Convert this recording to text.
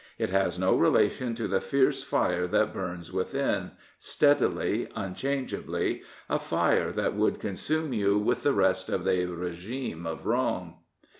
It has no relation to the fierce fire that burns within, steadily, unchangeably, a fire that would consume you with the rest of the regime of wrong.